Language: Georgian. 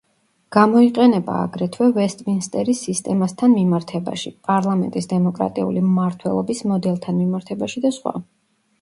გამოიყენება, აგრეთვე, ვესტმინსტერის სისტემასთან მიმართებაში, პარლამენტის დემოკრატიული მმართველობის მოდელთან მიმართებაში და სხვა.